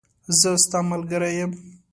زه ستاملګری یم .